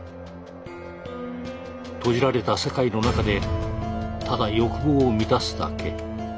閉じられた世界の中でただ欲望を満たすだけ。